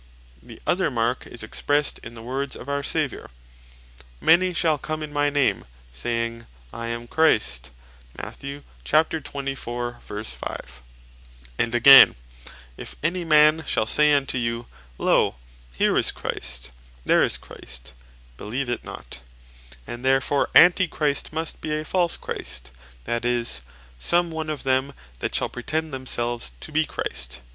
The other Mark is expressed in the words of our Saviour, (Mat. 24.5.) "Many shall come in my name, saying, I am Christ;" and again, "If any man shall say unto you, Loe, here is Christ, there is Christ beleeve it not." And therefore Antichrist must be a False Christ, that is, some one of them that shall pretend themselves to be Christ.